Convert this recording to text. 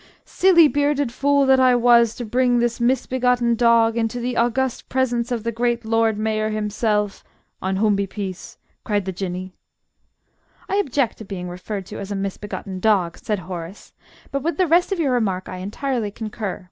"Silly bearded fool that I was to bring this misbegotten dog into the august presence of the great Lord Mayor himself (on whom be peace!)," cried the Jinnee. "I object to being referred to as a misbegotten dog," said Horace, "but with the rest of your remark I entirely concur.